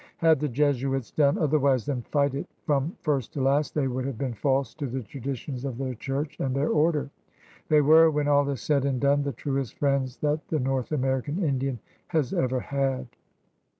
Had the Jesuits done otherwise than fight it from first to last they would have been false to the traditions of their Church and their Order. They were, when all is said and done, the truest friends that the North American Indian has ever had.